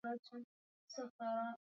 Damu yako imeniepusha na hukumu.